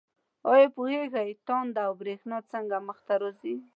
آیا پوهیږئ تالنده او برېښنا څنګه منځ ته راځي؟